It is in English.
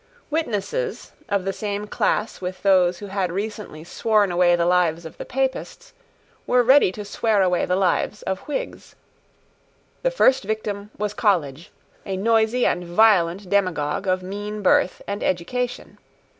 Witnesses, of the same class with those who had recently sworn away the lives of Papists, were ready to swear away the lives of Whigs. The first victim was College, a noisy and violent demagogue of mean birth and education.